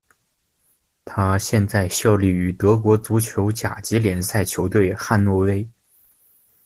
他现在效力于德国足球甲级联赛球队汉诺威。